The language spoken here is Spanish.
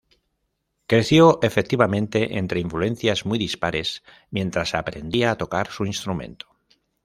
Creció, efectivamente, entre influencias muy dispares mientras aprendía a tocar su instrumento.